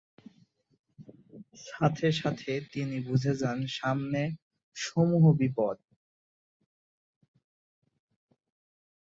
সাথে সাথে তিনি বুঝে যান সামনে সমূহ বিপদ।